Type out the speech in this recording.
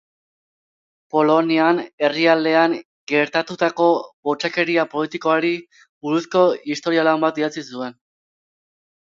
Polonian herrialdean gertatutako bortxakeria politikoari buruzko historia-lan bat idatzi zuen.